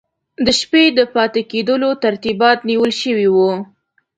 د شپې د پاته کېدلو ترتیبات نیول سوي وو.